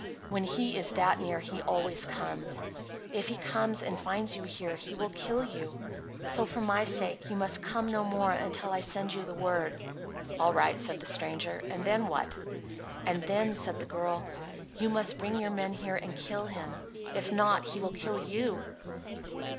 When he is that near he always comes. If he comes and finds you here he will kill you. So, for my sake, you must come no more until I send you the word." "All right," said the stranger. "And then what?" "And then," said the girl, "you must bring your men here and kill him. If not, he will kill you."